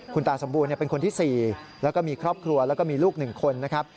คุณตาสมบูรณ์เป็นคนที่๔แล้วก็มีครอบครัวแล้วก็มีลูก๑คนนะครับ